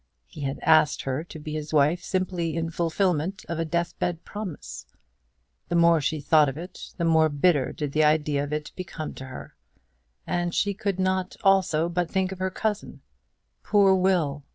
He had asked her to be his wife simply in fulfilment of a death bed promise! The more she thought of it the more bitter did the idea of it become to her. And she could not also but think of her cousin. Poor Will!